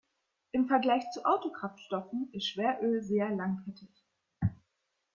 Im Vergleich zu Autokraftstoffen ist Schweröl sehr langkettig.